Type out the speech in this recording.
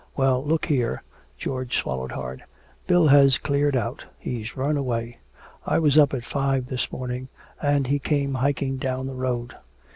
Well, look here!" George swallowed hard. "Bill has cleared out he's run away! I was up at five this morning and he came hiking down the road!